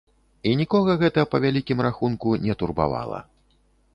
І нікога гэта, па вялікім рахунку, не турбавала.